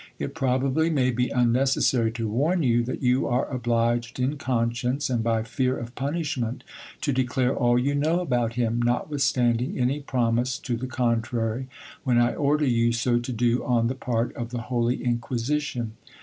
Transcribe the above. It probably may be unnecessary to warn you, that you are obliged in conscience, and by fear of punishment, to declare all you know about him, notwithstanding any promise to the contrary, when I order you so to do on the part of the holy inquisition.